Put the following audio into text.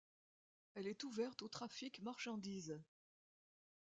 Elle est ouverte au trafic marchandises.